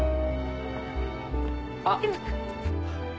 あっ！